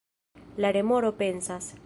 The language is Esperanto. La remoro pensas: